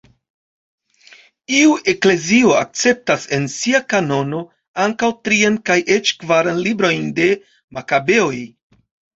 Iuj eklezioj akceptas en sia kanono ankaŭ trian kaj eĉ kvaran librojn de Makabeoj.